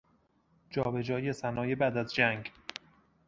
جابجایی صنایع بعد از جنگ